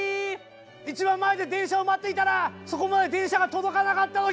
一番前で電車を待っていたらそこまで電車が届かなかった時。